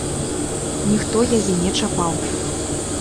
Ніхто яе не чапаў.